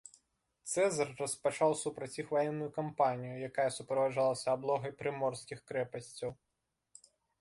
Цэзар распачаў супраць іх ваенную кампанію, якая суправаджалася аблогай прыморскіх крэпасцяў.